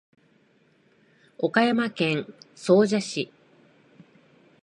岡山県総社市